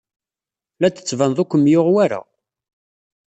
La d-tettbaned ur kem-yuɣ wara.